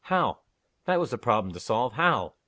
How? That was the problem to solve. How?